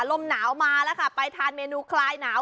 ลมหนาวมาแล้วค่ะไปทานเมนูคลายหนาว